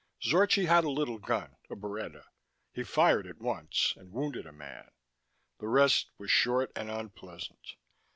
Zorchi had a little gun, a Beretta; he fired it once and wounded a man. The rest was short and unpleasant.